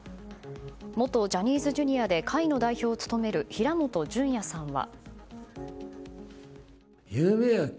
元ジャニーズＪｒ．で会の代表を務める平本淳也さんは。